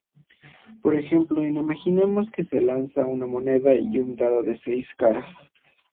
Por ejemplo, imaginemos que se lanza una moneda y un dado de seis caras.